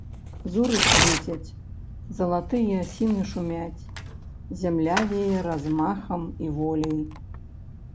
Зоры свецяць, залатыя асіны шумяць, зямля вее размахам і воляй.